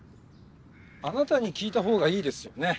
あなたに聞いたほうがいいですよね。